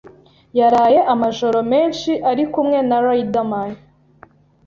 yaraye amajoro menshi ari kumwe na Riderman